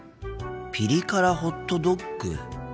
ピリ辛ホットドッグ。